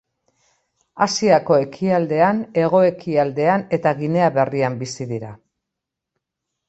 Asiako ekialdean, hego-ekialdean eta Ginea Berrian bizi dira.